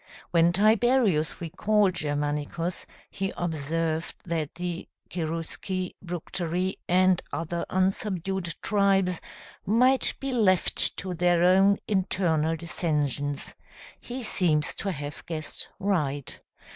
When Tiberius recalled Germanicus, he observed that the Cherusci, Bructeri, and other unsubdued tribes, might be left to their own internal dissensions. He seems to have guessed right.